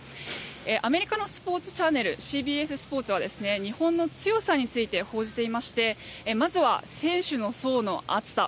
アメリカのスポーツチャンネルＣＢＳスポーツは日本の強さについて報じていましてまずは選手の層の厚さ。